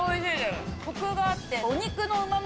コクがあって。